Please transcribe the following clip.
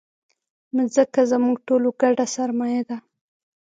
مځکه زموږ ټولو ګډه سرمایه ده.